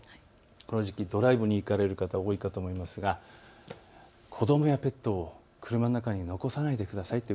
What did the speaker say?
この時期、ドライブに行かれる方、多いと思いますが子どもやペットを車の中に残さないでください。